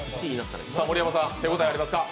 盛山さん、手応えありますか？